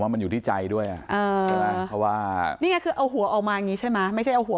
ไม่ใช่เอาหน้าเข้า